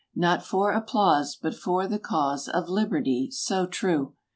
Not for applause, but for the cause of liberty so true.